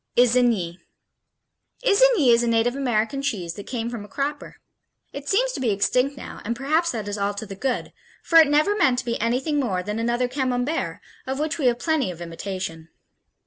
Isigny Isigny is a native American cheese that came a cropper. It seems to be extinct now, and perhaps that is all to the good, for it never meant to be anything more than another Camembert, of which we have plenty of imitation.